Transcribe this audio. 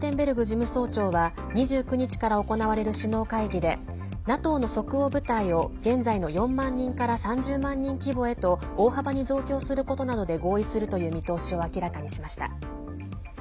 事務総長は２９日から行われる首脳会議でＮＡＴＯの即応部隊を現在の４万人から３０万人規模へと大幅に増強することなどで合意するという見通しを明らかにしました。